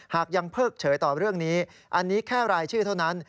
หากยังเพิกเฉยต่อเรื่องนี้อันนี้แค่รายชื่อเท่านั้น